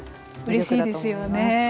うれしいですよね。